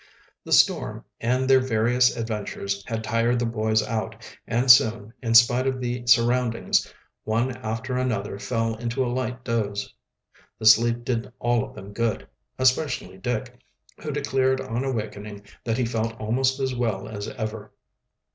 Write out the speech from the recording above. The storm, and their various adventures, had tired the boys out, and soon, in spite of the surroundings, one after another fell into a light doze. The sleep did all of them good, especially Dick, who declared on awakening that he felt almost as well as ever.